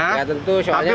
nggak tentu soalnya kan